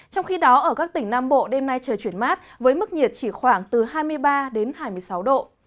trong khi đó ở các tỉnh nam bộ đêm nay trời chuyển mát với mức nhiệt chỉ khoảng từ hai mươi ba đến hai mươi sáu độ